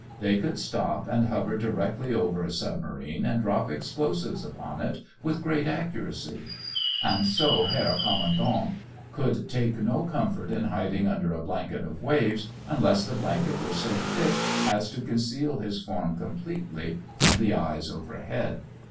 They could stop and hover directly over a submarine and drop explosives upon it with great accuracy. And so Herr Kommandant could take no comfort in hiding under a blanket of waves unless the blanket were so thick as to conceal his form completely from the eyes overhead.